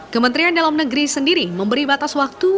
kementerian dalam negeri sendiri memberi batas waktu